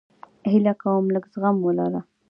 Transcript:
هیله کوم لږ زغم ولره